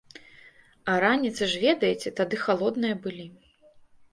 А раніцы ж, ведаеце, тады халодныя былі.